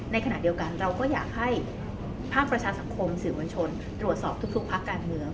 ในขณะเดียวกันเราก็อยากให้ภาคประชาสังคมสื่อมวลชนตรวจสอบทุกภาคการเมือง